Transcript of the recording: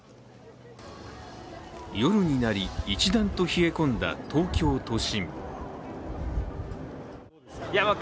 夜になり一段と冷え込んだ東京都心。